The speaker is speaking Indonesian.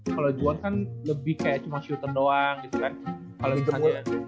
kalau jual kan lebih kayak cuma shirton doang gitu kan